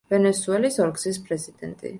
ვენესუელის ორგზის პრეზიდენტი.